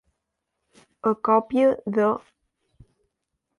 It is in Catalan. A còpia de.